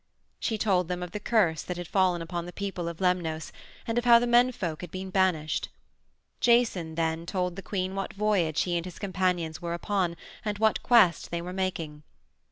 She told them of the curse that had fallen upon the people of Lemnos, and of how the menfolk had been banished. Jason, then, told the queen what voyage he and his companions were upon and what quest they were making.